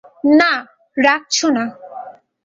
না, রাখছ না!